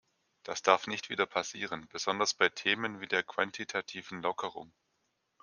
Das darf nicht wieder passieren, besonders bei Themen wie der quantitativen Lockerung.